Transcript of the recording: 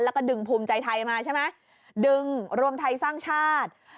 แล้วก็ดึงภูมิใจไทยมาใช่ไหมดึงรวมไทยสร้างชาติ